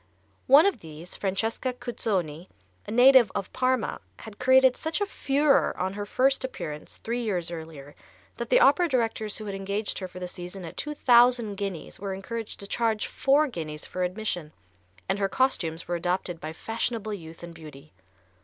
One of these, Francesca Cuzzoni, a native of Parma, had created such a furore on her first appearance, three years earlier, that the opera directors who had engaged her for the season at two thousand guineas were encouraged to charge four guineas for admission, and her costumes were adopted by fashionable youth and beauty.